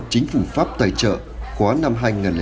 chính phủ pháp tài trợ khóa năm